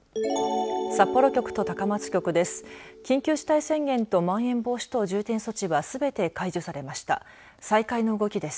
札幌局と高松局です。